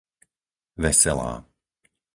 Veselá